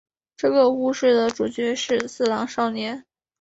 这个故事的主角是四郎少年。